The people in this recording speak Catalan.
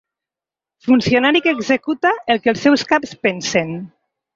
Funcionari que executa el que els seus caps pensen.